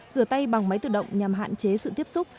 rửa tay bằng máy tự động nhằm hạn chế sự tiếp xúc